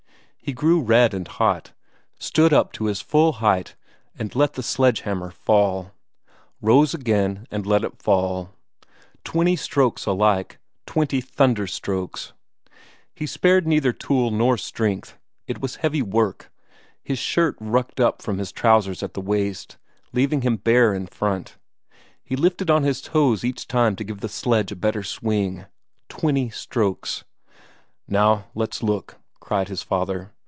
He grew red and hot, stood up to his full height and let the sledge hammer fall; rose again and let it fall; twenty strokes alike twenty thunder strokes. He spared neither tool nor strength; it was heavy work; his shirt rucked up from his trousers at the waist, leaving him bare in front; he lifted on his toes each time to give the sledge a better swing. Twenty strokes. "Now! Let's look!" cried his father.